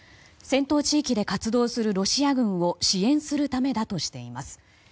戦闘地域で活動するロシア軍を支援するためだとしています。